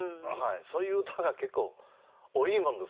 そういう歌が結構多いもんですから。